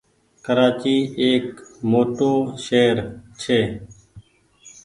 ڪرآچي ايڪ موٽو شهر ڇي۔